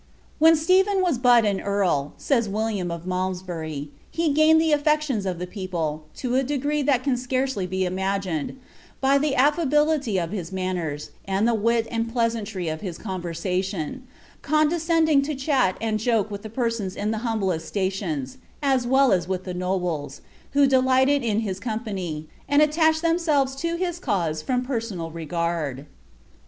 *^ when Stephen was but an earl,'' says William of Malmsbury, ^ he gained the auctions of the people, to a degree that can scarcely be imagined, by the affiibility of his manners, and the wit and pleasantry of his conversation, condescending to chat and joke with persons in the humblest stations, as well as with the nobles, who delighted in his com pany, and attached themselves to his cause from personal regard."